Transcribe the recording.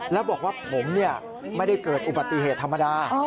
แล้วบอกว่าผมไม่ได้เกิดอุบัติเหตุธรรมดา